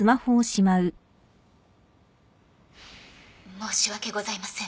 申し訳ございません。